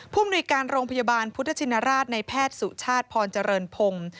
มนุยการโรงพยาบาลพุทธชินราชในแพทย์สุชาติพรเจริญพงศ์